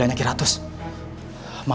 aku mau ke rumah